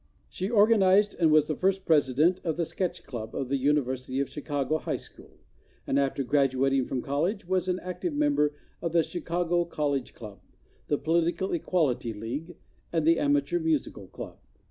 She organized and was the first president of The Sketch Club of the University of Chicago High School, and after graduat¬ ing from college was an active member of the Chicago College Club, The Political Equality League, and the Amateur Musical Club.